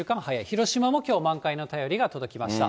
広島もきょう、満開の便りが届きました。